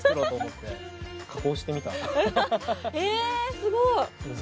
すごい！